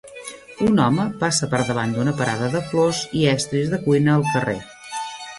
Un home passa per davant d'una parada de flors i estris de cuina al carrer.